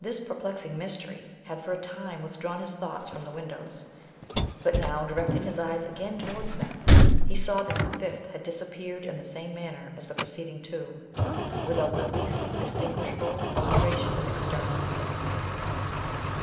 This perplexing mystery had for a time withdrawn his thoughts from the windows ; but now, directing his eyes again towards them, he saw that the fifth had disappeared in the same manner as the preceding two, with out the least distinguishable altera tion of external appearances.